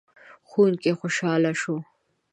ښوونکی خوشحال شو.